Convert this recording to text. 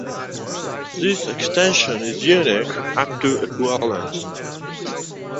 This extension is unique up to equivalence.